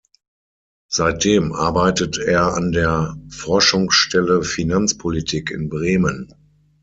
Seitdem arbeitet er an der Forschungsstelle Finanzpolitik in Bremen.